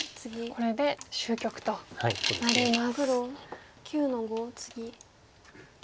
これで終局となります。